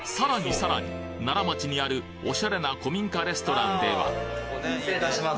さらに奈良町にあるおしゃれな古民家レストランでは失礼いたします。